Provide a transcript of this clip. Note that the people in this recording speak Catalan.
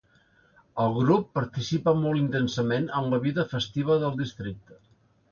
El grup participa molt intensament en la vida festiva del districte.